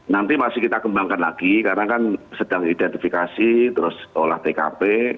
nanti masih kita kembangkan lagi karena kan sedang identifikasi terus olah tkp